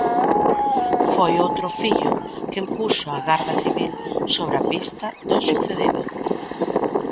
Foi outro fillo quen puxo a Garda Civil sobre a pista do sucedido.